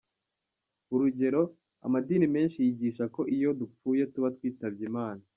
Urugero, amadini menshi yigisha ko iyo dupfuye tuba twitabye imana.